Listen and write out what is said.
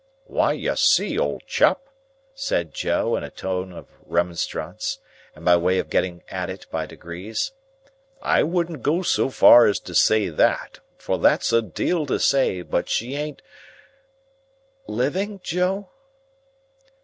"Why you see, old chap," said Joe, in a tone of remonstrance, and by way of getting at it by degrees, "I wouldn't go so far as to say that, for that's a deal to say; but she ain't—" "Living, Joe?"